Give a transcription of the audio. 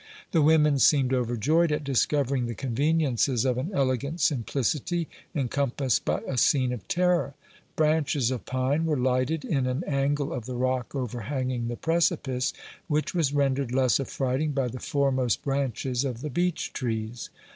The women seemed overjoyed at discovering the conveniences of an elegant simplicity encompassed by a scene of terror. Branches of pine were lighted in an angle of the rock over hanging the precipice, which was rendered less affrighting by the foremost branches of the beech trees.